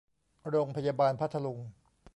โรงพยาบาลพัทลุง